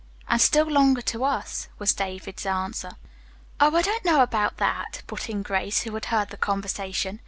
"And still longer to us," was David's answer. "Oh, I don't know about that," put in Grace, who had heard the conversation.